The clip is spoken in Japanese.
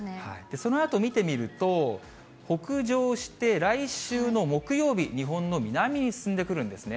そのあと見てみると、北上して、来週の木曜日、日本の南に進んでくるんですね。